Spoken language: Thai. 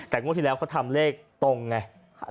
แต่งวดที่แล้วเขาทำเลขตรงไง